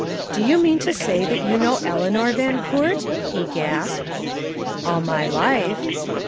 "Do you mean to say that you know Eleanor Van Coort?" he gasped. "All my life."